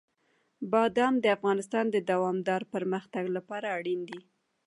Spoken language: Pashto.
بادام د افغانستان د دوامداره پرمختګ لپاره اړین دي.